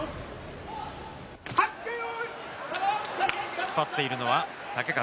突っ張っているのは豪風。